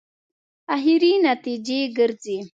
اخري نتیجې ګرځي.